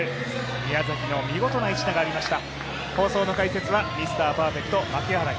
宮崎の見事な一打がありました。